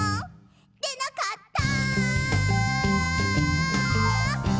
「でなかった！」